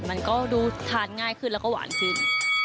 มันก็ดูทานง่ายขึ้นแล้วก็หวานขึ้น